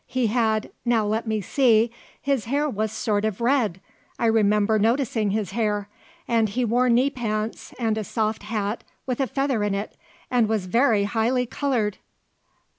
He had now let me see his hair was sort of red I remember noticing his hair; and he wore knee pants and a soft hat with a feather in it and was very high coloured."